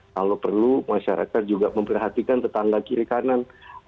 kalau perlu masyarakat juga memperhatikan tetangga kiri kanan